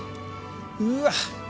うわ！